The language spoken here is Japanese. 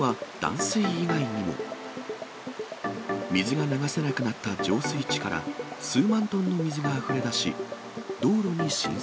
水が流せなくなった浄水池から数万トンの水があふれ出し、道路に浸水。